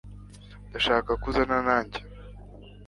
ndashaka ko uzana nanjye